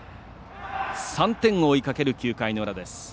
３点を追いかける９回の裏です。